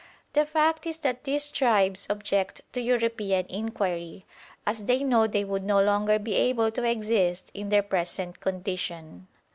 The fact is that these tribes object to European inquiry, as they know they would no longer be able to exist in their present condition.